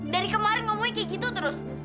dari kemarin ngomongnya kayak gitu terus